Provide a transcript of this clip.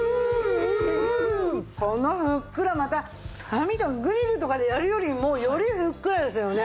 このふっくらまた網のグリルとかでやるよりもよりふっくらですよね。